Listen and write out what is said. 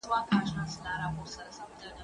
زه اوږده وخت کتاب وليکم،